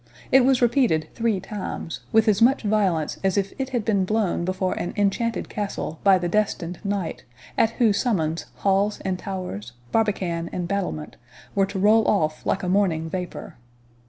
It was repeated three times, with as much violence as if it had been blown before an enchanted castle by the destined knight, at whose summons halls and towers, barbican and battlement, were to roll off like a morning vapour.